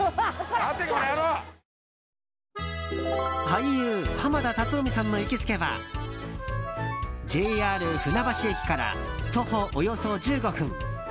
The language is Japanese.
俳優・濱田龍臣さんの行きつけはＪＲ船橋駅から徒歩およそ１５分